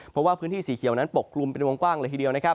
เพราะว่าพื้นที่สีเขียวนั้นปกกลุ่มเป็นวงกว้างเลยทีเดียวนะครับ